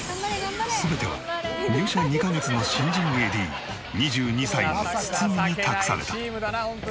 全ては入社２カ月の新人ＡＤ２２歳の堤に託された。